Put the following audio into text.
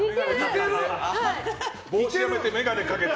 帽子やめて、眼鏡かけて。